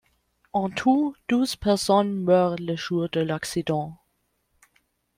En tout, douze personnes meurent le jour de l'accident.